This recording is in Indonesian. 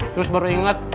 terus baru inget